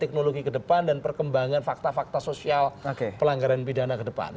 teknologi ke depan dan perkembangan fakta fakta sosial pelanggaran pidana ke depan